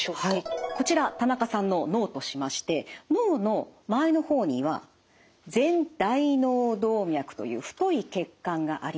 こちら田中さんの脳としまして脳の前の方には前大脳動脈という太い血管があります。